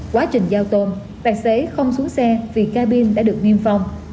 quá trình giao tôn tài xế không xuống xe vì ca bin đã được niêm phong